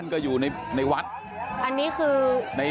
นี่อะไร